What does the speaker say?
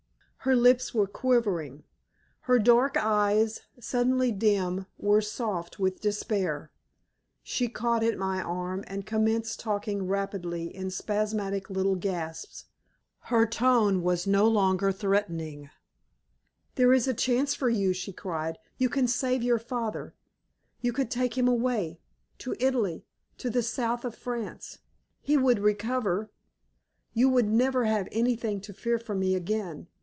Her lips were quivering, her dark eyes, suddenly dim, were soft with despair. She caught at my arm and commenced talking rapidly in spasmodic little gasps. Her tone was no longer threatening. "There is a chance for you," she cried. "You can save your father. You could take him away to Italy, to the south of France. He would recover. You would never have anything to fear from me again.